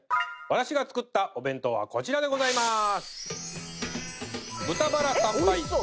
私が作ったお弁当はこちらでございます！